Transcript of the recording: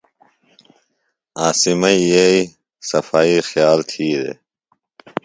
عاصمئی یئییۡ صفائی خِیال تھی دےۡ۔